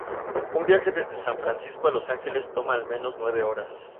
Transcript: Un viaje desde San Francisco a Los Ángeles toma al menos nueve horas.